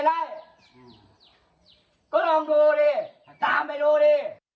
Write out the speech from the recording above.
ก็ลองดูดิตามไปดูดิ